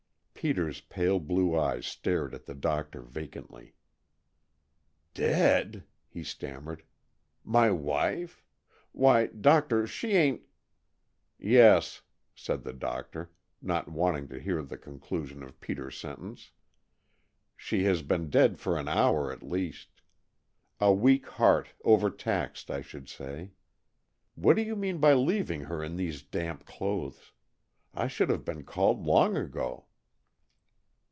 Peter's pale blue eyes stared at the doctor vacantly. "Dead?" he stammered. "My wife? Why, doctor, she ain't " "Yes," said the doctor, not waiting to hear the conclusion of Peter's sentence. "She has been dead an hour, at least. A weak heart, overtaxed, I should say. What do you mean by leaving her in these damp clothes? I should have been called long ago."